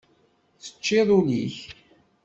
Teččiḍ ul-ik.